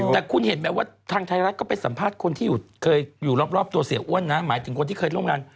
แต่คุณเห็นไหมว่าทางไทยรัฐก็ไปสัมภาษณ์คนที่เคยอยู่รอบตัวเสียอ้วนนะหมายถึงคนที่เคยร่วมงาน